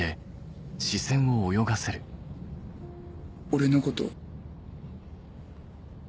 俺のこと。